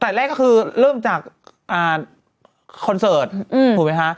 แต่แรกก็คือเริ่มจากคอนเสิร์ตถูกไหมคะ